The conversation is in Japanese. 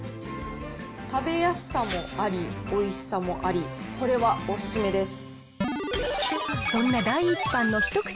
食べやすさもあり、おいしさもあり、これはお勧めです。